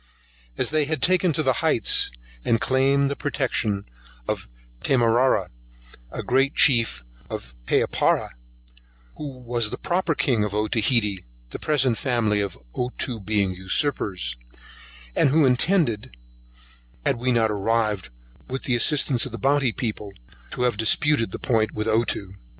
As they had taken to the heights, and claimed the protection of Tamarrah, a great chief in Papara, who was the proper king of Otaheitee, the present family of Ottoo being usurpers, and who intended, had we not arrived with the assistance of the Bounty's people, to have disputed the point with Ottoo.